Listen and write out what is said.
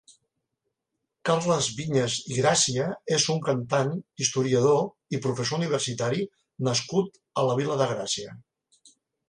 Carles Viñas i Gràcia és un cantant, historiador i professor universitari nascut a la Vila de Gràcia.